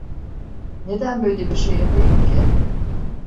Neden böyle bir şey yapayım ki?